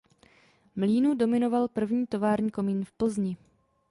Mlýnu dominoval první tovární komín v Plzni.